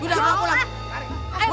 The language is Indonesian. udah mau pulang tarik